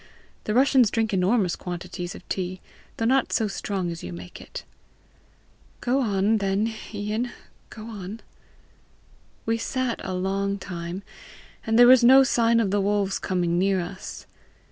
The Russians drink enormous quantities of tea though not so strong as you make it." "Go on, then, Ian; go on." "We sat a long time, and there was no sign of the wolves coming near us.